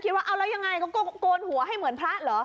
คิดว่ายังไงก็โกนหัวให้เหมือนพระหรือ